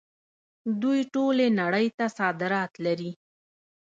دوی ټولې نړۍ ته صادرات لري.